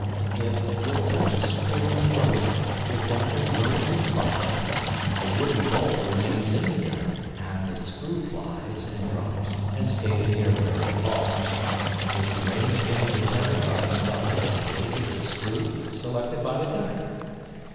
If, with such a screw in the muzzle, the gun is loaded and fired, the wooden bolt remains in the gun and the screw flies and drops and stays near where it falls its range being determined by the size and weight of screw selected by the gunner.